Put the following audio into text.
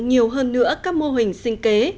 nhiều hơn nữa các mô hình sinh kế